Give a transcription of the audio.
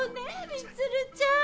充ちゃん。